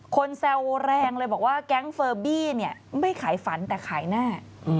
แซวแรงเลยบอกว่าแก๊งเฟอร์บี้เนี่ยไม่ขายฝันแต่ขายแน่